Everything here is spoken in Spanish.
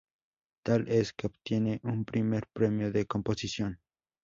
Tal es, que obtiene un Primer Premio de Composición.